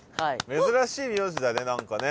珍しい名字だね何かね。